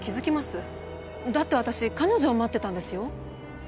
だって私彼女を待ってたんですよ。